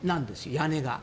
屋根が。